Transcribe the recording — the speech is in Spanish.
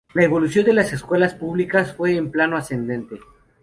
La evolución de las escuelas públicas fue en plano ascendente.